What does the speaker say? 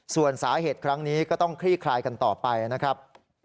ส่วนสาเหตุครั้งนี้ก็ต้องคลี่คลายกันต่อไปนะครับ